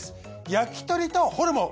焼き鳥とホルモン。